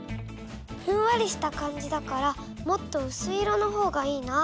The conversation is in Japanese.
ふんわりした感じだからもっとうすい色のほうがいいな。